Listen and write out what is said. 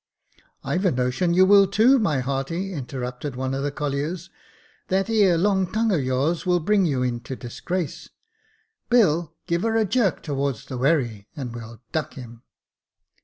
" I've a notion you will, too, my hearty," interrupted one of the colliers. That 'ere long tongue of yours will bring you into disgrace. Bill, give her a jerk towards the wherry, and we'll duck him."